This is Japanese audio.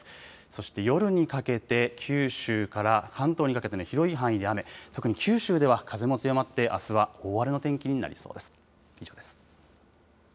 そして夜にかけて九州から関東にかけての広い範囲で雨、特に九州では風も強まってあすは大荒れの天気になりそうです。